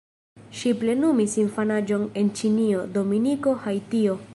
Ŝi plenumis infanaĝon en Ĉinio, Dominiko, Haitio.